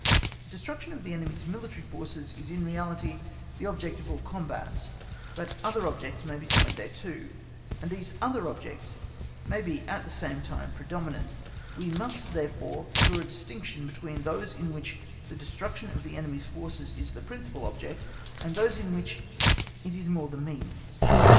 Destruction of the enemy's military forces is in reality the object of all combats; but other objects may be joined thereto, and these other objects may be at the same time predominant; we must therefore draw a distinction between those in which the destruction of the enemy's forces is the principal object, and those in which it is more the means.